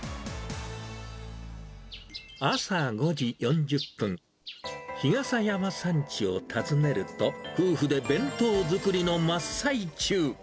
朝５時４０分、日笠山さんちを訪ねると、夫婦で弁当作りの真っ最中。